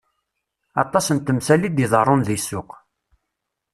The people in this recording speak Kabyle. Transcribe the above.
Aṭas n temsal i d-iḍerrun deg ssuq.